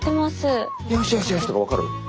「よしよしよし」とか分かる？